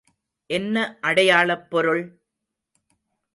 என்ன அடையாளப் பொருள்?